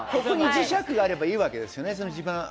磁石があればいいわけですね。